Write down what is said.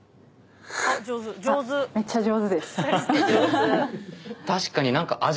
めっちゃ上手です。